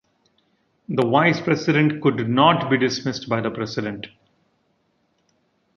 The Vice President could not be dismissed by the President.